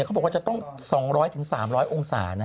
เขาบอกว่าจะต้อง๒๐๐๓๐๐องศานะ